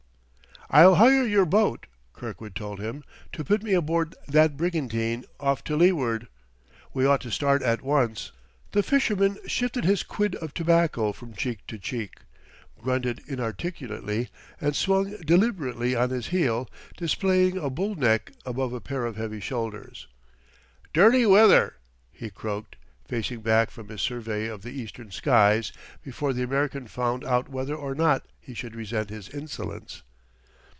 "I'll hire your boat," Kirkwood told him, "to put me aboard that brigantine, off to leeward. We ought to start at once." The fisherman shifted his quid of tobacco from cheek to cheek, grunted inarticulately, and swung deliberately on his heel, displaying a bull neck above a pair of heavy shoulders. "Dirty weather," he croaked, facing back from his survey of the eastern skies before the American found out whether or not he should resent his insolence.